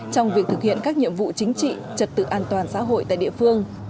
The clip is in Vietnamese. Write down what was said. trong việc thực hiện các nhiệm vụ chính trị trật tự an toàn xã hội tại địa phương